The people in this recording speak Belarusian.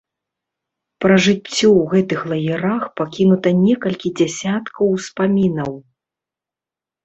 Пра жыццё ў гэтых лагерах пакінута некалькі дзясяткаў успамінаў.